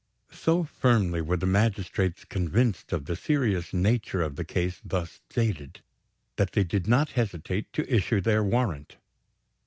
So firmly were the magistrates convinced of the serious nature of the case thus stated, that they did not hesitate to issue their warrant.